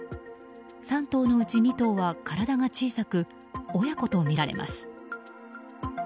３頭のうち２頭は体が小さく親子とみられます。